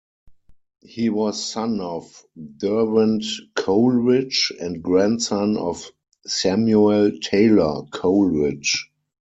He was son of Derwent Coleridge and grandson of Samuel Taylor Coleridge.